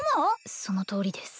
そのとおりです